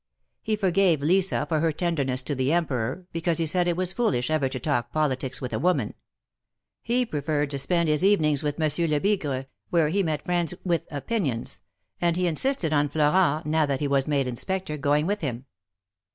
He forgave Lisa for her tenderness to the Emperor, because he said it was foolish ever to talk poli tics with a woman. He preferred to spend his evenings with Monsieur Lebigre, where he met friends 'Gvith opinions, and he insisted on Florent, now that he was made Inspector, going with him.